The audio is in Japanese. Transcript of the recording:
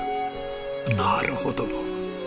なるほど。